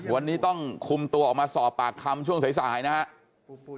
วันนี้ต้องคุมตัวออกมาสอบปากคำช่วงสายนะครับ